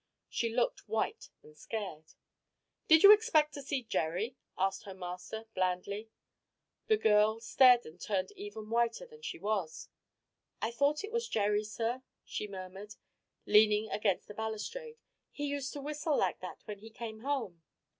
She looked white and scared. "Did you expect to see Jerry?" asked her master, blandly. The girl stared and turned even whiter than she was. "I thought it was Jerry, sir," she murmured, leaning against the balustrade. "He used to whistle like that when he came home!"